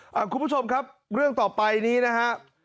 คุณผู้ชมครับเรื่องต่อไปนี้นะฮะ